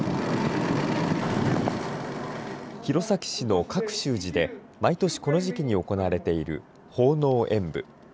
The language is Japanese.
弘前市の革秀寺で毎年この時期に行われている奉納演武。